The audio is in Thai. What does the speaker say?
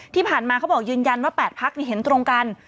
ที่ผ่านมาเขาบอกยืนยันว่า๘พักเห็นตรงกัน